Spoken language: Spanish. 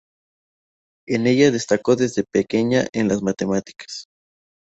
En ella destacó desde pequeña en las matemáticas.